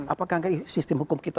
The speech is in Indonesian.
apakah sistem hukum kita